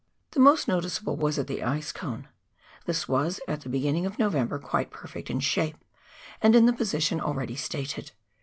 The most noticeable was at the ice cone ; this was, at the beginning of November, quite perfect in shape, and in the position already stated.